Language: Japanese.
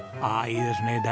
ああいいですね。